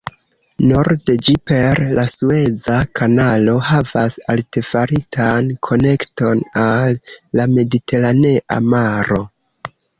Norde ĝi per la Sueza kanalo havas artefaritan konekton al la Mediteranea Maro.